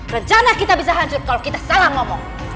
rencana kita bisa hancur kalau kita salah ngomong